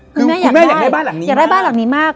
คุณแม่อยากได้บ้านหลังนี้มาก